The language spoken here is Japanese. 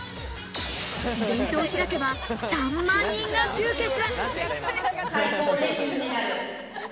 イベントを開けば３万人が集結。